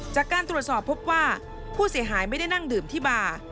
จากการตรวจสอบพบว่าผู้เสียหายไม่ได้นั่งดื่มที่บาร์